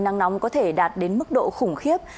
nắng nóng có thể đạt đến mức độ khủng khiếp